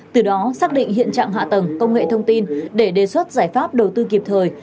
từ đó xác định hiện trạng hạ tầng công nghệ thông tin để đề xuất giải pháp đầu tư kịp thời